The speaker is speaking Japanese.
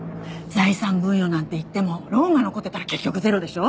財産分与なんていってもローンが残ってたら結局ゼロでしょ？